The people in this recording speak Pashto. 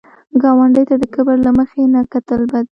ګاونډي ته د کبر له مخې نه کتل بد دي